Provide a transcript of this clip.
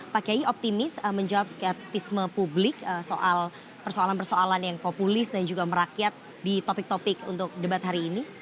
pak kiai optimis menjawab skeptisme publik soal persoalan persoalan yang populis dan juga merakyat di topik topik untuk debat hari ini